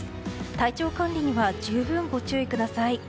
体調管理には十分ご注意ください。